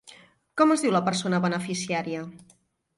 Com es diu la persona beneficiària?